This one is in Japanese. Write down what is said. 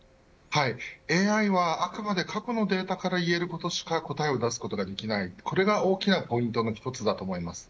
ＡＩはあくまで過去のデータから言えることしか答えを出すことができないこれが、大きなポイントの一つだと思います。